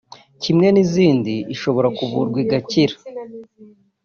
kimwe n’izindi ishobora kuvurwa igakira